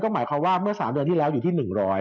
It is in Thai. หมายความว่าเมื่อ๓เดือนที่แล้วอยู่ที่๑๐๐